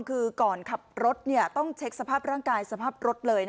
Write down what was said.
คือก่อนขับรถต้องเช็คสภาพร่างกายสภาพรถเลย